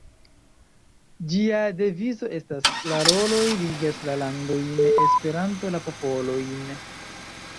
Ĝia devizo estas: ""La reloj ligas la landojn, Esperanto la popolojn.